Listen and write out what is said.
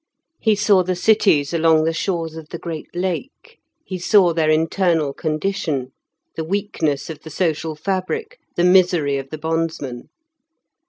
He saw the cities along the shores of the great Lake; he saw their internal condition, the weakness of the social fabric, the misery of the bondsmen.